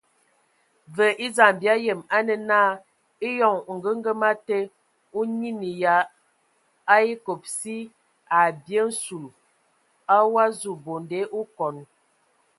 Və e dzam bia yəm a nə na, eyɔŋ ongəgəma te a nyiinə ya a ekob si,a bye nsul o wa zu bonde okɔn.